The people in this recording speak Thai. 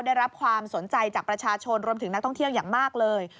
ได้รับความสนใจจากประชาชนรวมถึงนักท่องเที่ยวอย่างมากเลย